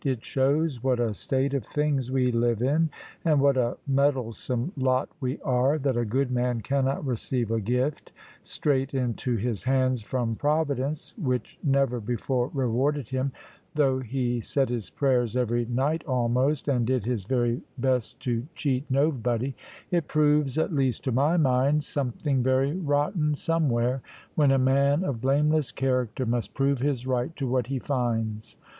It shows what a state of things we live in, and what a meddlesome lot we are, that a good man cannot receive a gift straight into his hands from Providence, which never before rewarded him, though he said his prayers every night almost, and did his very best to cheat nobody; it proves, at least to my mind, something very rotten somewhere, when a man of blameless character must prove his right to what he finds.